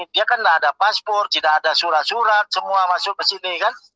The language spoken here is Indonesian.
dia kan tidak ada paspor tidak ada surat surat semua masuk ke sini kan